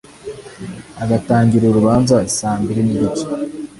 agatangira urubanza saa mbiri n’igice